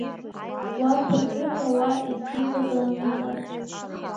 Уа ԥыҭҩык ауаа еидибагалан иҟан.